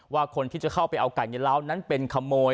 ว่าคนที่จะเข้าไปเอาไก่ในล้าวนั้นเป็นขโมย